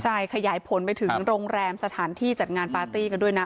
ใช่ขยายผลไปถึงโรงแรมสถานที่จัดงานปาร์ตี้กันด้วยนะ